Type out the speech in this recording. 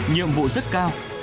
nhiệm vụ rất cao